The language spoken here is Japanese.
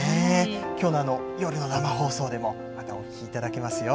今日の夜の生放送でもまたお聴きいただけますよ。